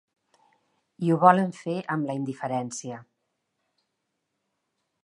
I ho volen fer amb la indiferència.